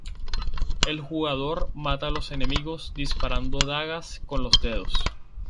El jugador mata a los enemigos disparando dagas con los dedos.